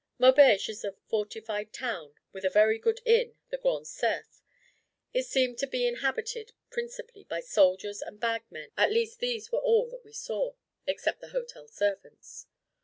Maubeuge is a fortified town, with a very good inn, the Grand Cerf. It seemed to be inhabited principally by soldiers and bagmen; at least, these were all that we saw, except the hotel servants.